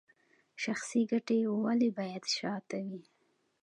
شخصي ګټې ولې باید شاته وي؟